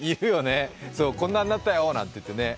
「こんなんなったよ」なんて言ってね。